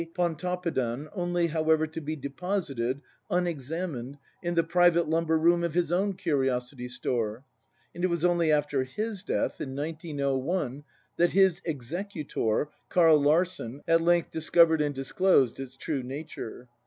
Pontoppidan, only, however, to be deposited, unexamined, in the private lumber room of his own curiosity store; and it was only after his death, in 1901, that his executor, Karl Larsen, at length discovered and disclosed its true nature.